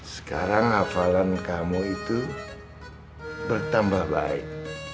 sekarang hafalan kamu itu bertambah baik